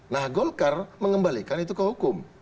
nah golkar mengembalikan itu ke hukum